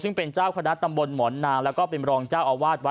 ซึ่งเป็นเจ้าคณะตำบลหมอนนางแล้วก็เป็นรองเจ้าอาวาสวัด